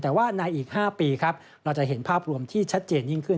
แต่ว่าในอีก๕ปีครับเราจะเห็นภาพรวมที่ชัดเจนยิ่งขึ้น